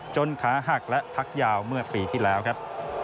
ขาหักและพักยาวเมื่อปีที่แล้วครับ